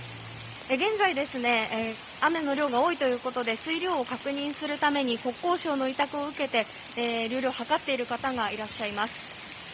現在、雨の量が多いということで水量を確認するために国交省の委託を受けていろいろ測っている方がいらっしゃいます。